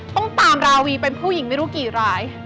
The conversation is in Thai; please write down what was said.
ต้องตามราวีเป็นผู้หญิงไม่รู้กี่ราย